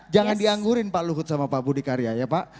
jangan dianggurin pak luhut sama pak budi karya ya pak